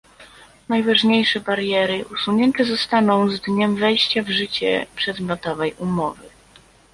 Najważniejsze bariery usunięte zostaną z dniem wejścia w życie przedmiotowej umowy